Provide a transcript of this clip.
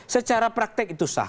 secara praktek itu sah